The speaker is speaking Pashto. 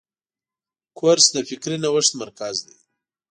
کورس د فکري نوښت مرکز دی.